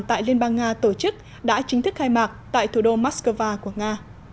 tại liên bang nga tổ chức đã chính thức khai mạc tại thủ đô moscow của nga